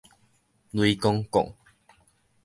雷公摃